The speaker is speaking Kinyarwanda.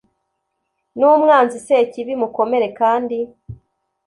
n'umwanzi sekibi, mukomere kandi